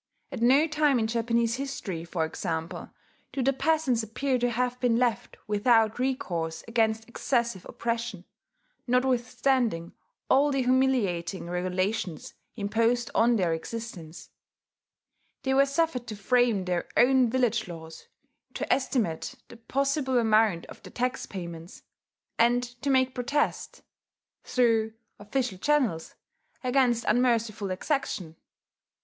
At no time in Japanese history, for example, do the peasants appear to have been left without recourse against excessive oppression, notwithstanding all the humiliating regulations imposed on their existence. They were suffered to frame their own village laws, to estimate the possible amount of their tax payments, and to make protest through official channels against unmerciful exaction.